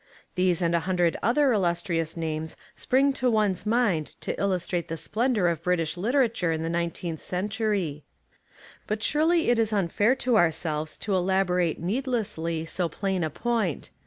These and a hundred other illustrious names spring to one's mind to illus trate the splendour of British literature in the nineteenth century. But surely it is unfair to ourselves to elaborate needlessly so plain a point.